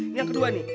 ini yang kedua nih